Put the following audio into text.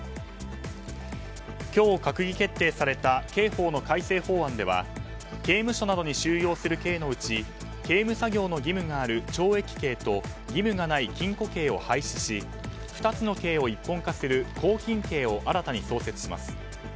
今日閣議決定された刑法の改正法案では刑務所などに収容する刑のうち刑務作業の義務がある懲役刑と義務がない禁錮刑を廃止し２つの刑を一本化する拘禁刑を新たに創設します。